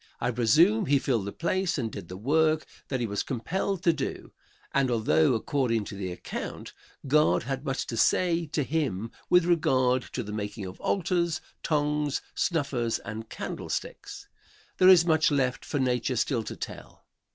I presume he filled the place and did the work that he was compelled to do, and although according to the account God had much to say to him with regard to the making of altars, tongs, snuffers and candlesticks, there is much left for nature still to tell.